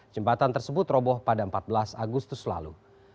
jembatan tersebut roboh pada empat belas agustus lalu